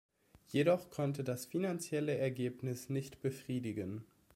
Jedoch konnte das finanzielle Ergebnis nicht befriedigen.